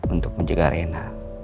untuk menjaga arena